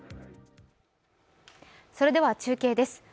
それでは中継です